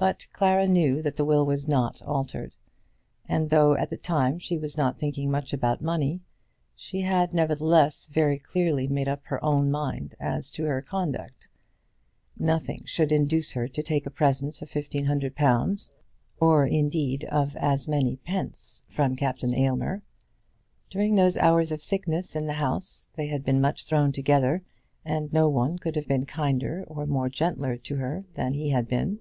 But Clara knew that the will was not altered; and though at the time she was not thinking much about money, she had, nevertheless, very clearly made up her own mind as to her own conduct. Nothing should induce her to take a present of fifteen hundred pounds, or, indeed, of as many pence from Captain Aylmer. During those hours of sickness in the house they had been much thrown together, and no one could have been kinder or more gentle to her than he had been.